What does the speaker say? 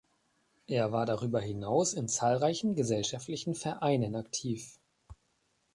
Er war darüber hinaus in zahlreichen gesellschaftlichen Vereinen aktiv.